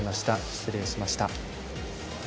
失礼しました。